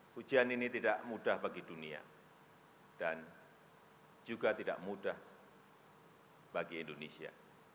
pujian ini tidak mudah bagi dunia dan juga tidak mudah bagi indonesia